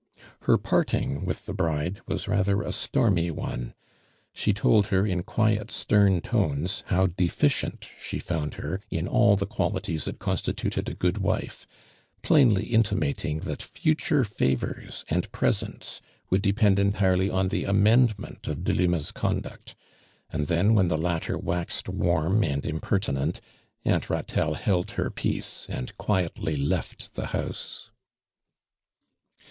Her jwrting with tlie bride was rather a stormy one. She toltl her in quiet stern tones how deficient she found her in all the qualities that constituted a good wife, j)lainly intimating that future favors and presents would depend entirely on the amendment of Delima's conduct; and then when the latter waxed warm and imperti ment. Aunt llatelle held her peace and quietly left the house.